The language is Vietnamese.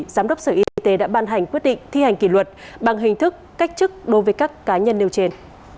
giám đốc sở y tế đã ban hành quyết định thi hành kỷ luật bằng hình thức cách chức đối với các cá nhân nêu trên